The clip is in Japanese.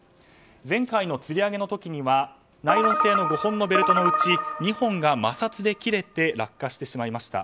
前回のつり上げの時にはナイロン製の５本のベルトのうち２本が摩擦で切れて落下してしまいました。